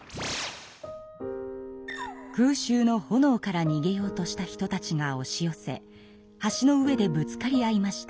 空襲のほのおからにげようとした人たちがおし寄せ橋の上でぶつかり合いました。